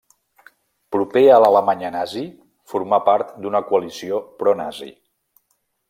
Proper a l'Alemanya nazi formà part d'una coalició pro-Nazi.